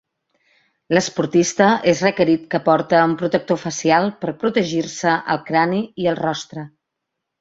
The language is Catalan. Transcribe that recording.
L'esportista és requerit que porte un protector facial per protegir-se el crani i el rostre.